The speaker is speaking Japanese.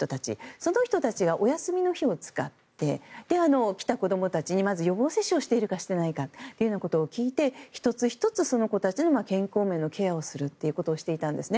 その人たちがお休みの日を使って来た子供たちに予防接種をしているかしていないかを聞いて１つ１つ、その子たちの健康面のケアをするということをしていたんですね。